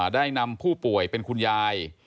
ได้นำผู้ป่วยเป็นคุณยาย